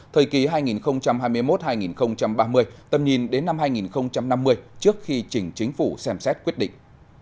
thời kỳ hai nghìn hai mươi một hai nghìn ba mươi tầm nhìn đến năm hai nghìn năm mươi trước khi chỉnh chính phủ xem xét quyết định